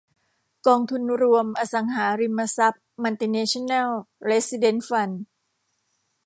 กองทุนรวมอสังหาริมทรัพย์มัลติเนชั่นแนลเรสซิเดนซ์ฟันด์